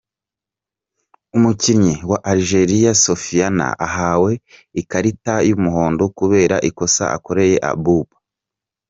Umukinnyi wa Algeria, Sofiane ahawe iakarita y’umuhondo kubera ikosa akoreye Abouba.